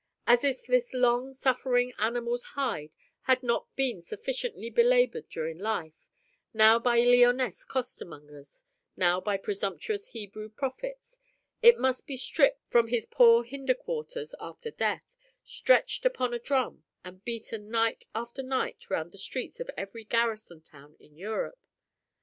As if this long suffering animal's hide had not been sufficiently belaboured during life, now by Lyonnese costermongers, now by presumptuous Hebrew prophets, it must be stripped from his poor hinder quarters after death, stretched on a drum, and beaten night after night round the streets of every garrison town in Europe.